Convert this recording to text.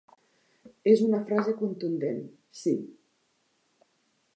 És una frase contundent, sí.